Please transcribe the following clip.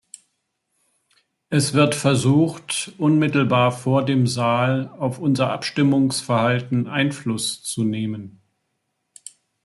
Es wird versucht, unmittelbar vor dem Saal auf unser Abstimmungsverhalten Einfluss zu nehmen.